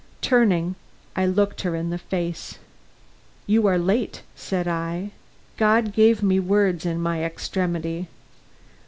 Turning, I looked her in the face. "You are late," said I. God gave me words in my extremity.